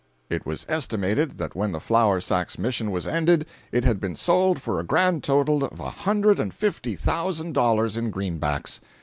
It was estimated that when the flour sack's mission was ended it had been sold for a grand total of a hundred and fifty thousand dollars in greenbacks!